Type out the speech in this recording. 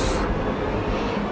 terima kasih mas mami